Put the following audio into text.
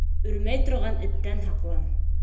Өрмәй торған эттән һаҡлан.